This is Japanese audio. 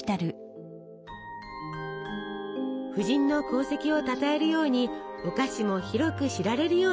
夫人の功績をたたえるようにお菓子も広く知られるようになっていきます。